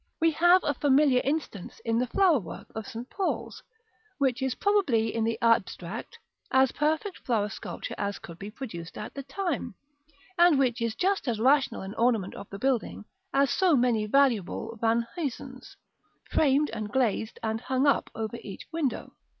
We have a familiar instance in the flower work of St. Paul's, which is probably, in the abstract, as perfect flower sculpture as could be produced at the time; and which is just as rational an ornament of the building as so many valuable Van Huysums, framed and glazed and hung up over each window.